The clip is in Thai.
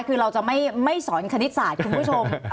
คือเราจะไม่สอนคณิตศาสตร์คุณผู้ชม